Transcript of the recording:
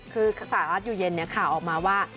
คือสหรัฐอยู่เย็นข่าวออกมาว่า